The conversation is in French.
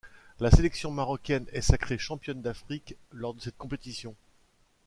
La sélection marocaine est sacrée championne d'Afrique, lors de cette compétition.